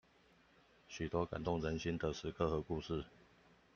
許多感動人心的時刻和故事